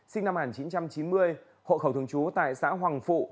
sinh năm một nghìn chín trăm chín mươi hộ khẩu thường trú tại xã hoàng phụ